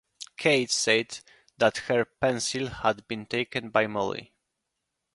Kate said that her pencil had been taken by Molly.